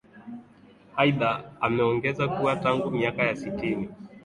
aidha ameongeza kuwa tangu miaka ya sitini